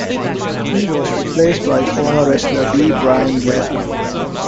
He was replaced by former wrestler B. Brian Blair.